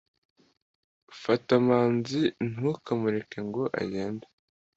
Fata manzi ntukamureke ngo agende